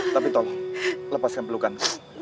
tapi tolong lepaskan pelukan